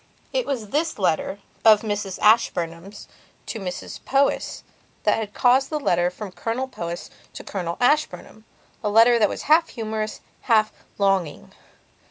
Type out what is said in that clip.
It was this letter of Mrs Ashburnham's to Mrs Powys that had caused the letter from Colonel Powys to Colonel Ashburnhama letter that was half humorous, half longing.